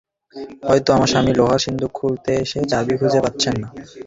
হয়তো আমার স্বামী লোহার সিন্দুক খুলতে এসে চাবি খুঁজে পাচ্ছেন না।